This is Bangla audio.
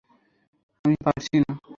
আমি পারছি না!